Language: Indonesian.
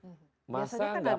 biasanya kan nggak ada